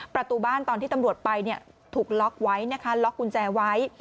ประตูบ้านตอนที่ตำรวจไปถูกล็อกไว้นะคะล็อกกุญแจไว้